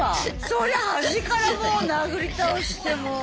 そりゃ端からもう殴り倒してもう。